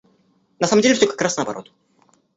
На самом деле все как раз наоборот.